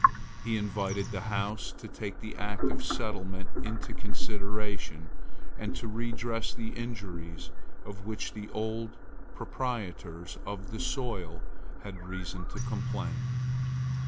He invited the houses to take the Act of Settlement into consideration, and to redress the injuries of which the old proprietors of the soil had reason to complain.